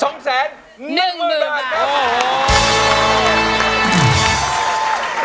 โอ้โฮ